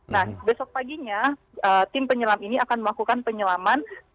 nah besok paginya tim penyelam ini akan melakukan penyelaman